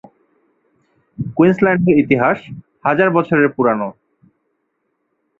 কুইন্সল্যান্ডের ইতিহাস হাজার বছর পুরোনো।